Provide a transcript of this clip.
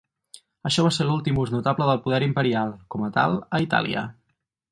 Això va ser l'últim ús notable del poder imperial, com a tal, a Itàlia.